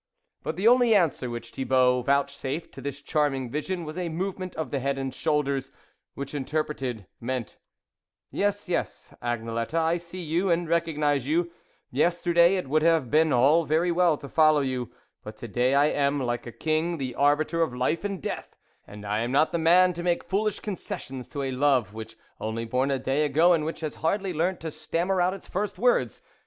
But the only answer which Thibault vouchsafed to this charming vision was a movement of the head and shoulders, which interpreted, meant, "Yes, yes, Agnelette, I see you, and recognise you ; yesterday, it would have been all very well to follow you ; but to day I am, like a king, the arbiter of life and death, and I am not the man to make foolish conces sions to a love only born a day ago, and which has hardly learnt to stammer out its first words.